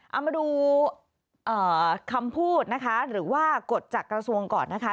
เอามาดูคำพูดนะคะหรือว่ากฎจากกระทรวงก่อนนะคะ